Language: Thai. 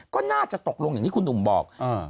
ก็น่าจะตกลงอย่างที่คุณหนุ่มบอก